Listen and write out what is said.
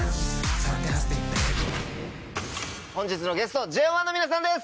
本日のゲストＪＯ１の皆さんです。